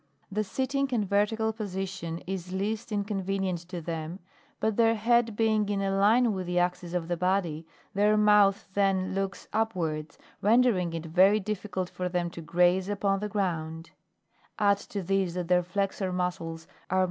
The sitting and vertical position is least inconvenient to them, but their head being in a line with the axis of the body, their mouth then looks up wards, rendering it very difficult for them to graze upon the ground ; add to this that their flexor muscles are much more 2.